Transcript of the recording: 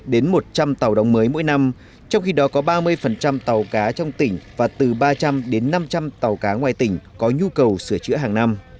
đến một trăm linh tàu đồng mới mỗi năm trong khi đó có ba mươi tàu cá trong tỉnh và từ ba trăm linh đến năm trăm linh tàu cá ngoài tỉnh có nhu cầu sửa chữa hàng năm